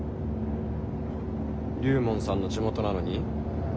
龍門さんの地元なのに？